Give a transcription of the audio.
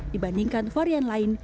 dibandingkan varian lain